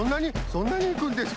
そんなにいくんですか？